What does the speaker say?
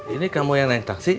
ini kamu yang naik taksi